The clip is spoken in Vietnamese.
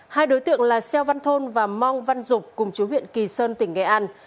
hai đối tượng là xeo văn thôn và mong văn dục cùng chú huyện kỳ sơn tỉnh nghệ an